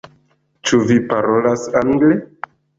Ĉu vi parolas angle?